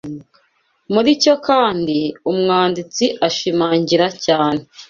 Muri cyo kandi, umwanditsi ashimangira cyane